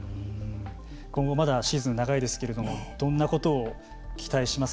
今後シーズン長いですけれどもどんな事を期待します？